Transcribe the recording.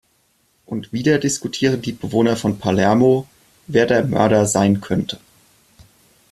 Und wieder diskutieren die Bewohner von Palermo, wer der Mörder sein könnte.